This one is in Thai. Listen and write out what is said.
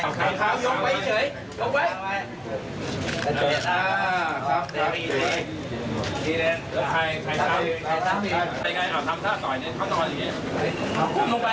ยกอีกที